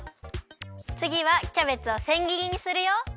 つぎはキャベツをせんぎりにするよ。